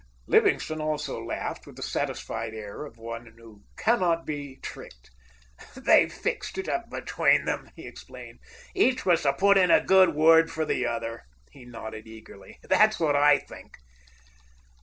Livingstone, also, laughed, with the satisfied air of one who cannot be tricked. "They fixed it up between them," he explained, "each was to put in a good word for the other." He nodded eagerly. "That's what I think."